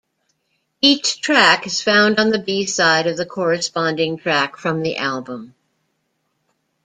Each track is found on the B-side of the corresponding track from the album.